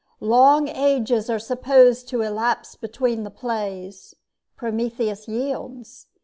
Long ages are supposed to elapse between the plays. Prometheus yields.